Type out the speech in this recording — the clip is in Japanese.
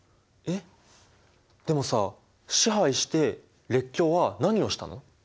えっでもさ支配して列強は何をしたの？